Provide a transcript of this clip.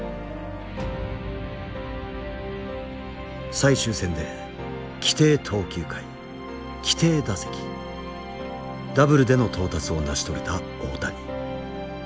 最終戦で規定投球回規定打席ダブルでの到達を成し遂げた大谷。